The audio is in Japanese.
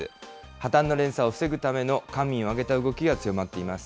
破綻の連鎖を防ぐための官民を挙げた動きが強まっています。